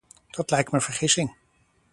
Dat lijkt me een vergissing.